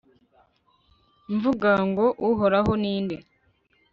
mvuga ngo uhoraho ni nde